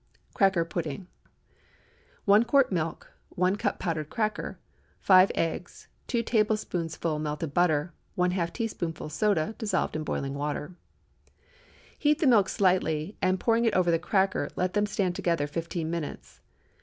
CRACKER PUDDING. ✠ 1 quart milk. 1 cup powdered cracker. 5 eggs. 2 tablespoonfuls melted butter. ½ teaspoonful soda—dissolved in boiling water. Heat the milk slightly, and pouring it over the cracker, let them stand together fifteen minutes.